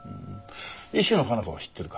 石野香奈子は知ってるか？